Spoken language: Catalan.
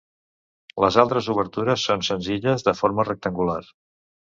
Les altres obertures són senzilles, de forma rectangular.